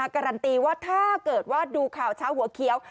การันตีว่าถ้าเกิดว่าดูข่าวเช้าหัวเขียว